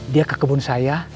dia ke kebun saya